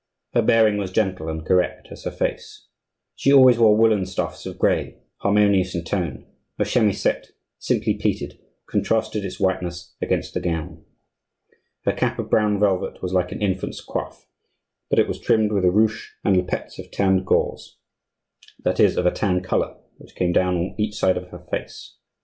Her bearing was gentle and correct as her face; she always wore woollen stuffs of gray, harmonious in tone; her chemisette, simply pleated, contrasted its whiteness against the gown. Her cap of brown velvet was like an infant's coif, but it was trimmed with a ruche and lappets of tanned gauze, that is, of a tan color, which came down on each side of her face.